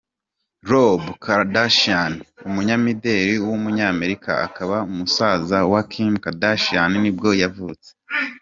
Rob Kardashian, umunyamideli w’umunyamerika, akaba musaza wa Kim Kardashian nibwo yavutse.